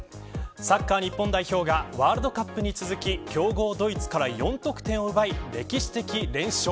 サッカー日本代表がワールドカップに続き強豪ドイツから４得点を奪い歴史的連勝。